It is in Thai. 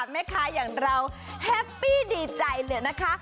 แม่ค้าอย่างเราแฮปปี้ดีใจเลยนะคะ